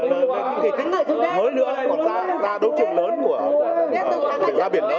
rồi từ đây thật ra mới nữa là đã ra đấu trường lớn của biển gia biển lớn